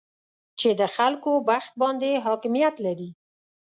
چې د خلکو بحث باندې حاکمیت لري